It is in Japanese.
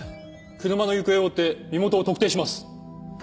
車の行方を追って身元を特定します。